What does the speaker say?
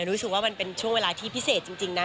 รู้สึกว่ามันเป็นช่วงเวลาที่พิเศษจริงนะ